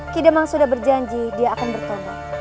kiduman sudah berjanji dia akan bertobat